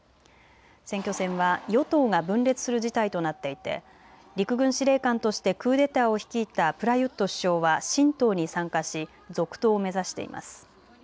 選挙戦は与党が分裂する事態となっていて陸軍司令官としてクーデターを率いたプラユット首相は新党に参加し続投を目指しています。